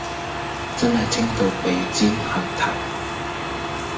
真係清到鼻尖黑頭